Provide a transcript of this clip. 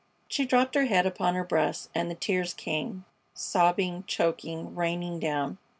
She dropped her head upon her breast and the tears came, sobbing, choking, raining down.